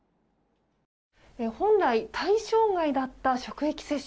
本来対象外だった職域接種。